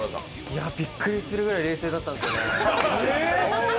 いや、びっくりするくらい冷静だったんですよね。